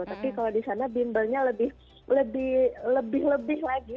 tapi kalau di sana bimbelnya lebih lebih lagi